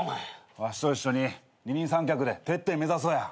わしと一緒に二人三脚でてっぺん目指そうや。